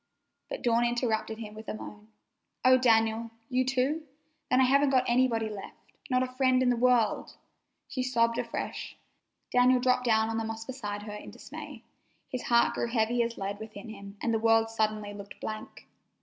But Dawn interrupted him with a moan. "Oh, Daniel! You too? Then I haven't got anybody left. Not a friend in all the world!" She sobbed afresh. Daniel dropped down on the moss beside her in dismay. His heart grew heavy as lead within him, and the world suddenly looked blank.